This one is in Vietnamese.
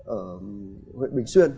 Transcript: ở huyện bình xuyên